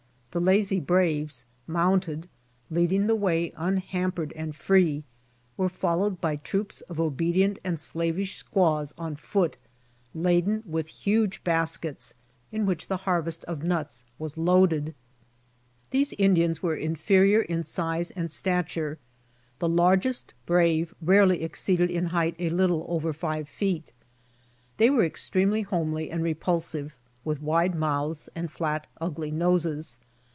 The lazy braves mounted, leading the way unhampered and free, were followed by troops of obedient and slavish squaws on foot, laden with huge baskets in which the harvest of nuts was loaded. '. These Indians were inferior in size and stature. The largest brave rarely exceeded in height a little over five feet. They were extremely homely and repulsive, with wide mouths and flat ugly noses.